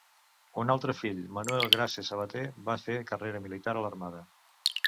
Un altre fill, Manuel Grases Sabater, va fer carrera militar a l'Armada.